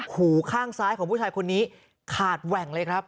หูข้างซ้ายของผู้ชายคนนี้ขาดแหว่งเลยครับ